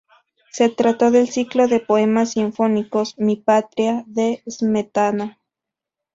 Se trató del ciclo de poemas sinfónicos "Mi patria" de Smetana.